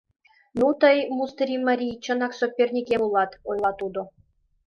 — Ну, тый, мустырий марий, чынак соперникем улат, — ойла тудо.